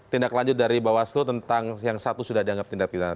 tindak lanjut dari bawaslu tentang yang satu sudah dianggap tindak pidana